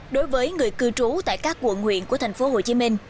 đối với người cư trú tại các quận huyện của tp hcm